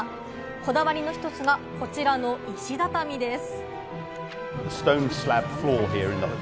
こだわりの一つがこちらの石畳です。